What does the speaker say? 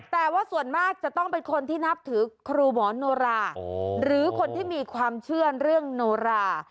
แต่ว่าส่วนมากจะต้องเป็นคนที่นับถือครูหมอโนราหรือคนที่มีความเชื่อเรื่องโนรา